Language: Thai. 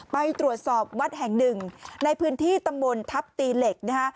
ไปตรวจสอบวัดแห่งหนึ่งในพื้นที่ตำบลทัพตีเหล็กนะฮะ